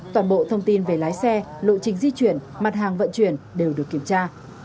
toàn bộ thông tin về lái xe lộ trình di chuyển mặt hàng vận chuyển đều được kiểm tra